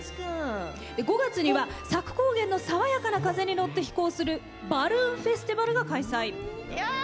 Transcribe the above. ５月には佐久高原の爽やかな風に乗って飛行するバルーンフェスティバルが開催。